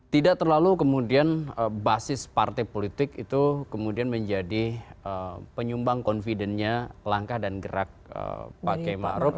tidak terlalu kemudian basis partai politik itu kemudian menjadi penyumbang confidentnya langkah dan gerak pak k ⁇ maruf ⁇